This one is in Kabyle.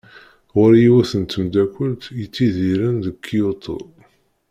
Ɣur-i yiwet n tmeddakelt yettidiren deg Kyito.